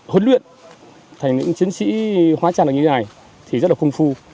huấn luyện thành những chiến sĩ hóa trang như thế này thì rất là khung phu